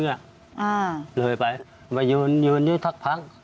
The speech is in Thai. เรินไปไปยืนพัก